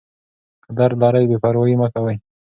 که درد لرئ بې پروايي مه کوئ.